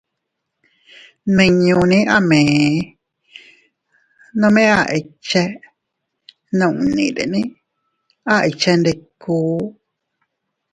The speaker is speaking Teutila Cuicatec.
Nminñune a mee, nome a ikche, nunnitene a ikchendikuu.